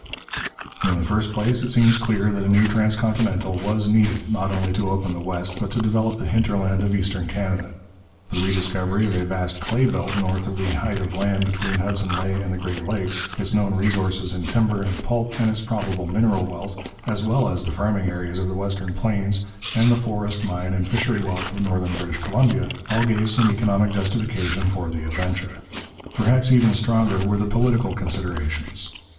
In the first place, it seems clear that a new transcontinental was needed, not only to open the West, but to develop the hinterland of eastern Canada. The rediscovery of a vast clay belt north of the height of land between Hudson Bay and the Great Lakes, its known resources in timber and pulp and its probable mineral wealth, as well as the farming areas of the western plains, and the forest, mine, and fishery wealth of northern British Columbia, all gave some economic justification for the adventure. Perhaps even stronger were the political considerations.